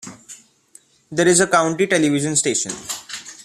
There is a county television station.